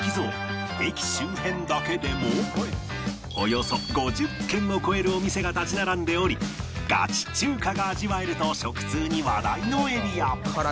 駅周辺だけでもおよそ５０軒を超えるお店が立ち並んでおりガチ中華が味わえると食通に話題のエリア